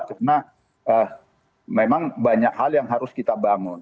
karena memang banyak hal yang harus kita bangun